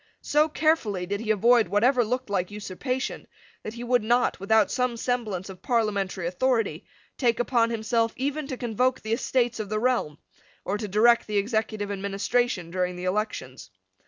So carefully did he avoid whatever looked like usurpation that he would not, without some semblance of parliamentary authority, take upon himself even to convoke the Estates of the Realm, or to direct the executive administration during the elections.